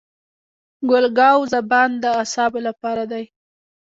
ګل ګاو زبان د اعصابو لپاره دی.